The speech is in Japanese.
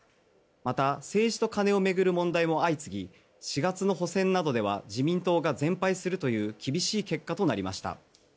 また、政治と金を巡る問題も相次ぎ４月の補選などでは自民党が全敗するという厳しい結果となりました。